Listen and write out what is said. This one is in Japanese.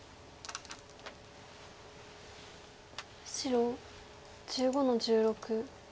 白１５の十六。